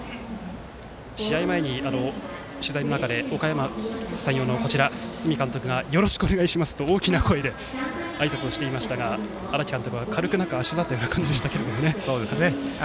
試合前に取材の中でおかやま山陽の堤監督がよろしくお願いしますと大きな声であいさつをしていましたが荒木監督は軽くあしらったような感じでしたけどね。